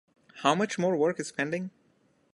How much more work is pending?